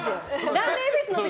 ラーメンフェスの時。